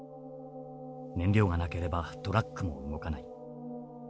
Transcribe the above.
燃料がなければトラックも動かない。